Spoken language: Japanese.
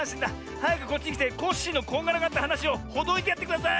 はやくこっちきてコッシーのこんがらがったはなしをほどいてやってください！